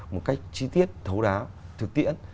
một cách chi tiết thấu đáo thực tiễn